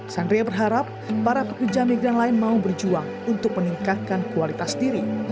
sandria berharap para pekerja migran lain mau berjuang untuk meningkatkan kualitas diri